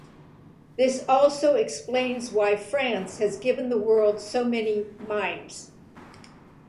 This also explains why France has given the world so many mimes.